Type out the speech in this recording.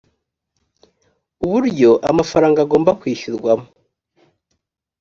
uburyo amafaranga agomba kwishyurwamo